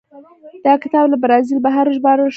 دا کتاب له برازیل بهر وژباړل شو.